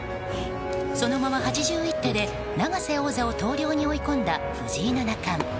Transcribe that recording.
そのまま、８１手で永瀬王座を投了に追い込んだ藤井七冠。